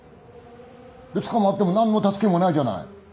で捕まっても何の助けもないじゃない。